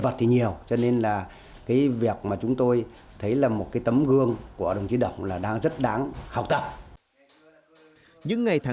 tiếp nối chương trình